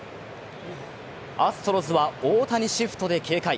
アストロズは大谷シフトで警戒。